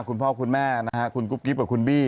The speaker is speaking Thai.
คุณพ่อครูมแม่นะครับคุณกุ๊บคลิปคุณบิด์